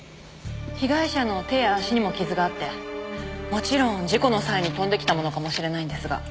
被害者の手や足にも傷があってもちろん事故の際に飛んできたものかもしれないんですが。